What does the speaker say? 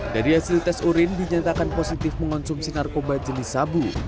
dari hasil tes urin dinyatakan positif mengonsumsi narkoba jenis sabu